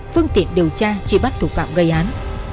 phương tiện điều tra truy bắt thủ phạm gây án